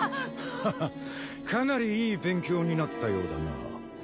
ハハかなりいい勉強になったようだな。